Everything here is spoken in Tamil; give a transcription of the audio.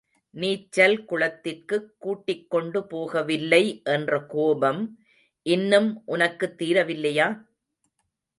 நீச்சல் குளத்திற்குக் கூட்டிக்கொண்டு போகவில்லை என்ற கோபம் இன்னும் உனக்குத் தீரவில்லையா?